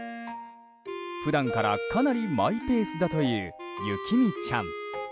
普段からかなりマイペースだというゆきみちゃん。